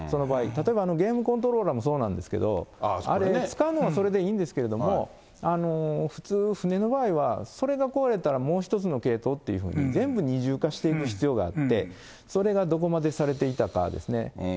例えばゲームコントローラーもそうなんですけど、あれ、使うのはそれでいいんですけれども、普通、船の場合はそれが壊れたらもう１つの系統っていうふうに、全部二重化していく必要があって、それがどこまでされていたかですね。